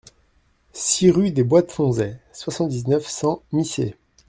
six rue des Bois de Fonzay, soixante-dix-neuf, cent, Missé